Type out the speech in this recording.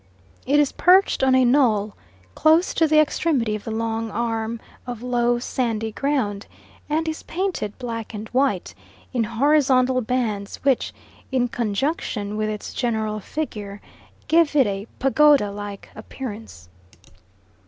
It is perched on a knoll, close to the extremity of the long arm of low, sandy ground, and is painted black and white, in horizontal bands, which, in conjunction with its general figure, give it a pagoda like appearance.